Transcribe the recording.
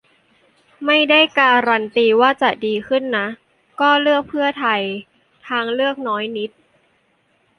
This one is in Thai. ไม่ได้การันตีว่าจะดีขึ้นนะ ก็เลือกเพื่อไทย; ทางเลือกน้อยนิด